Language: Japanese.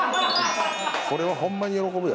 これはホンマに喜ぶ。